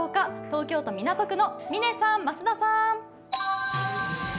東京都港区の嶺さん、増田さん。